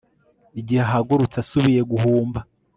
igihe ahagurutse asubiye guhumba